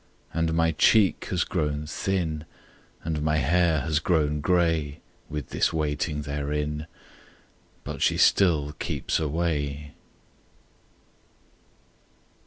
And my cheek has grown thin And my hair has grown gray With this waiting therein; But she still keeps away!